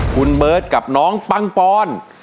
คุณเบิร์ตกับน้องปังปอน